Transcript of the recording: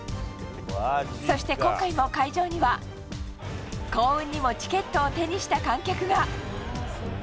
そして今回も会場には、幸運にもチケットを手にした観客が。